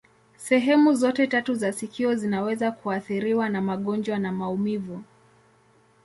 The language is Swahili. Sehemu zote tatu za sikio zinaweza kuathiriwa na magonjwa na maumivu.